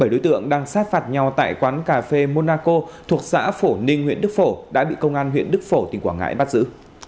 bảy đối tượng đang sát phạt nhau tại quán cà phê monaco thuộc xã phổ ninh huyện đức phổ đã bị công an huyện đức phổ tỉnh quảng ngãi bắt giữ